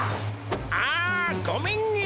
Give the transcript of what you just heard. ああごめんね